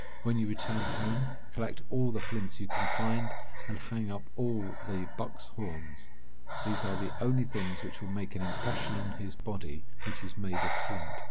When you return home, collect all the flints you can find, and hang up all the bucks' horns. These are the only things which will make an impression on his body, which is made of flint."